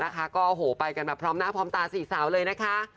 ก็โอ้โหไปกันแบบพร้อมหน้าพร้อมตาสี่สาวเลยนะคะ